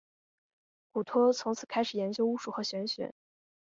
古托从此开始研究巫术和玄学。